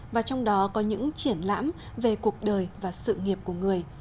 và trong đó có những triển lãm về cuộc đời và sự nghiệp của người